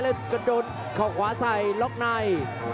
แล้วก็โดนเขาขวาใส่ล็อกใน